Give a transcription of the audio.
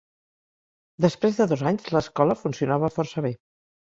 Després de dos anys, l'escola funcionava força bé.